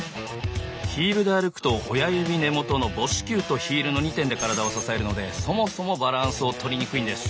ヒールで歩くと親指根元の母指球とヒールの２点で体を支えるのでそもそもバランスを取りにくいんです。